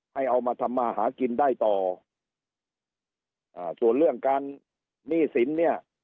เอามาทำมาหากินได้ต่ออ่าส่วนเรื่องการหนี้สินเนี่ย